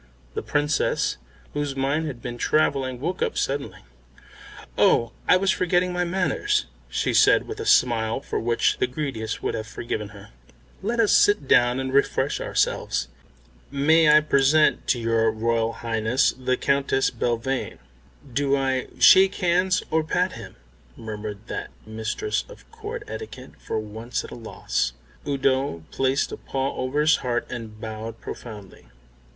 The Princess, whose mind had been travelling, woke up suddenly. "Oh, I was forgetting my manners," she said with a smile for which the greediest would have forgiven her. "Let us sit down and refresh ourselves. May I present to your Royal Highness the Countess Belvane." "Do I shake hands or pat him?" murmured that mistress of Court etiquette, for once at a loss. Udo placed a paw over his heart and bowed profoundly.